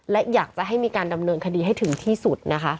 และอยากจะให้มีการดำเนินคดีให้ถึงที่สุดนะคะ